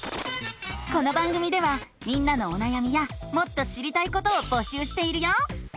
この番組ではみんなのおなやみやもっと知りたいことをぼしゅうしているよ！